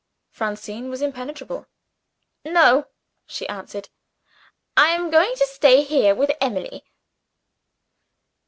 Francine was impenetrable. "No," she answered, "I am going to stay here with Emily."